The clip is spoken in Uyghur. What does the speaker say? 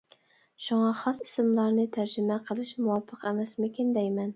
شۇڭا خاس ئىسىملارنى تەرجىمە قىلىش مۇۋاپىق ئەمەسمىكىن دەيمەن.